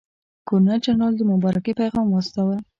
ګورنرجنرال د مبارکۍ پیغام واستاوه.